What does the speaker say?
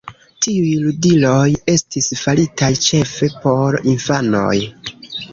Tiuj ludiloj estis faritaj ĉefe por infanoj.